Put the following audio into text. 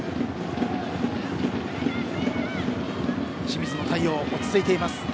清水の対応、落ち着いています。